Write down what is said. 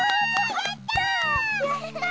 やった！